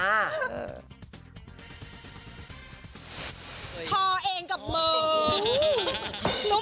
ทอเองกับเมิง